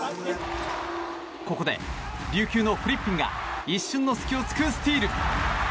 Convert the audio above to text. ここで琉球のフリッピンが一瞬の隙を突くスティール。